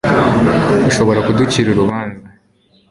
ushobora kuducira urubanza